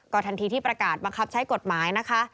ทันทีที่ประกาศบังคับใช้กฎหมายนะคะ